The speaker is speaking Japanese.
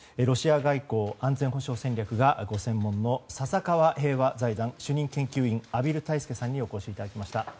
ロシア外交安全・保障戦略がご専門の笹川平和財団主任研究員畔蒜泰助さんにお越しいただきました。